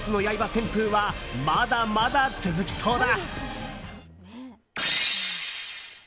旋風はまだまだ続きそうだ。